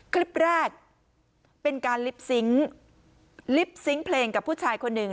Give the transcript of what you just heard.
คลิปแรกเป็นการลิปซิงค์ลิปซิงค์เพลงกับผู้ชายคนหนึ่ง